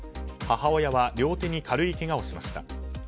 母親は両手に軽いけがをしました。